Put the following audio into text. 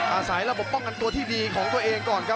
อาศัยระบบป้องกันตัวที่ดีของตัวเองก่อนครับ